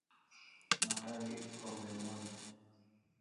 Maharage Kikombe moja